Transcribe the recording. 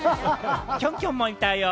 キョンキョンもいたよ！